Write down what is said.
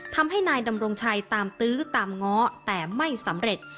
ทำให้นายดำรงชัยตามตื้อตามง้อแต่ไม่สำเร็จ